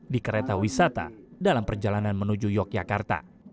di kereta wisata dalam perjalanan menuju yogyakarta